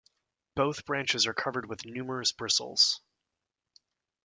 Both branches are covered with numerous bristles.